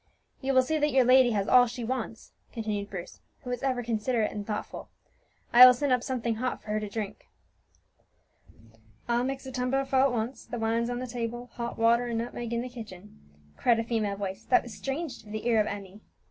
"You will see that your lady has all that she wants," continued Bruce, who was ever considerate and thoughtful. "I will send up something hot for her to drink." "I'll mix a tumblerful at once. The wine's on the table hot water and nutmeg in the kitchen," cried a female voice that was strange to the ear of Emmie.